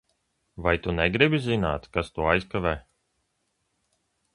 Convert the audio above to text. Vai tu negribi zināt, kas to aizkavē?